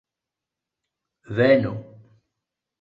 Venu!